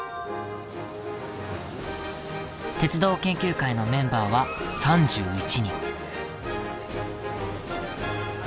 鉄道研究会のメンバーは３１人。